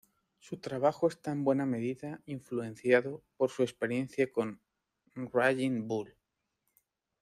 Su trabajo está en buena medida influenciado por su experiencia con "Raging Bull".